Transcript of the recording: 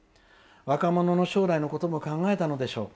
若者の将来のことも考えたのでしょう。